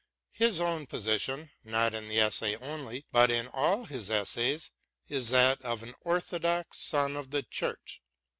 His own position, not in the essay only, but in all his essays, is that of an orthodox son of the Church.